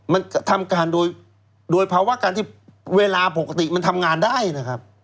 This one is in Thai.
มันทำการโดยภาวะการที่เวลาปกติมันทำงานได้นะครับ